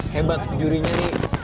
hebat jurinya ini